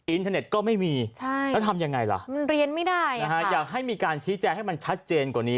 อินเทอร์เน็ตก็ไม่มีแล้วทำอย่างไรล่ะอยากให้มีการชี้แจให้มันชัดเจนกว่านี้